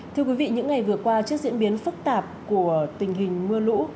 thưa quý vị những ngày vừa qua trước diễn biến phức tạp của tình hình mưa lũ